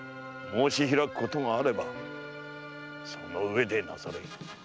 申しひらくことがあればその上でなされい。